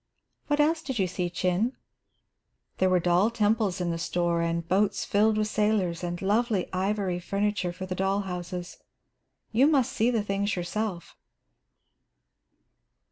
"What else did you see, Chin?" "There were doll temples in the store, and boats filled with sailors, and lovely ivory furniture for the doll houses. You must see the things yourself."